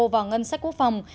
vào ngân sách quốc phòng